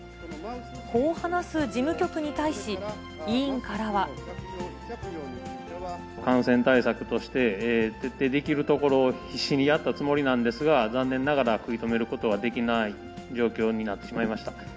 こう話す事務局に対し、感染対策として徹底できるところを必死にやったつもりなんですが、残念ながら、食い止めることはできない状況になってしまいました。